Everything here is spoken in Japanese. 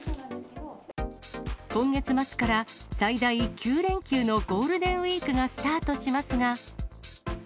今月末から、最大９連休のゴールデンウィークがスタートしますが。